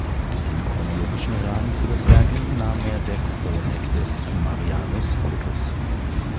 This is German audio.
Den chronologischen Rahmen für das Werk entnahm er der Chronik des Marianus Scotus.